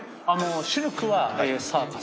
シルクはサーカス。